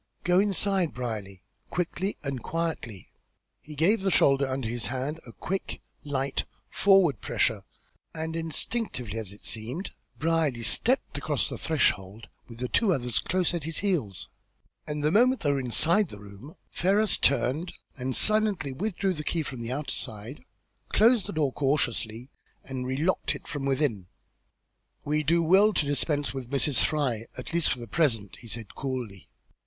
"Go inside, Brierly, quickly and quietly." He gave the shoulder under his hand a quick, light, forward pressure, and instinctively, as it seemed, Brierly stepped across the threshold with the other two close at his heels, and, the moment they were inside the room, Ferrars turned and silently withdrew the key from the outer side, closed the door cautiously, and relocked it from within. "We will do well to dispense with Mrs. Fry, at least for the present," he said, coolly.